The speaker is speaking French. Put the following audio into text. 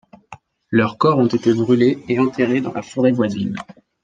Leurs corps ont été brûlés et enterrés dans la forêt voisine.